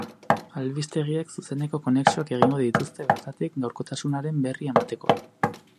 Albistegiek zuzeneko konexioak egingo dituzte bertatik gaurkotasunaren berri emateko.